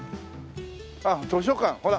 ああ図書館ほら。